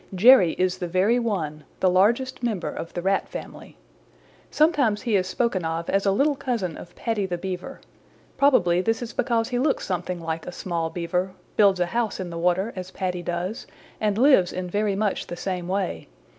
"Jerry is the very one, the largest member of the Rat family. Sometimes he is spoken of as a little cousin of Paddy the Beaver. Probably this is because he looks something like a small Beaver, builds a house in the water as Paddy does, and lives in very much the same way.